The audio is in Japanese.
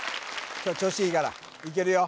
今日調子いいからいけるよ